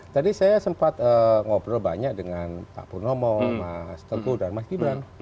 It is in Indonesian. tadi saya sempat ngobrol banyak dengan pak purnomo mas teguh dan mas gibran